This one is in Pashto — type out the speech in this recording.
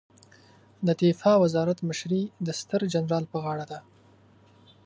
د دفاع وزارت مشري د ستر جنرال په غاړه ده